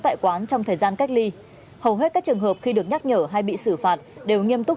tại quán trong thời gian cách ly hầu hết các trường hợp khi được nhắc nhở hay bị xử phạt đều nghiêm túc